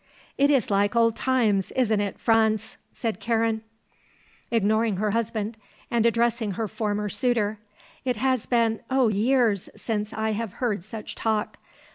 "It is like old times, isn't it, Franz?" said Karen, ignoring her husband and addressing her former suitor. "It has been oh, years since I have heard such talk.